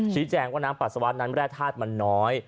แจ้งว่าน้ำปัสสาวะนั้นแร่ธาตุมันน้อย